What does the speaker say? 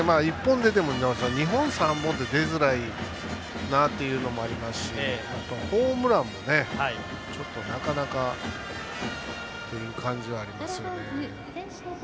１本でも難しいし２本、３本って出づらいなというのがありますしホームランもね、ちょっとなかなかという感じはありますね。